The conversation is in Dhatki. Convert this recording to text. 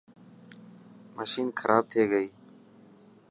مشين کراب ٿي گئي.